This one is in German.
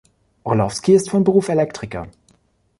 Orlowski ist von Beruf Elektriker.